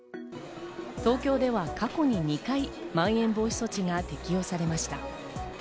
東京では過去に２回、まん延防止措置が適用されました。